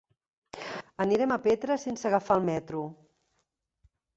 Anirem a Petra sense agafar el metro.